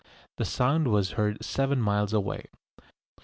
The sound was heard seven miles away.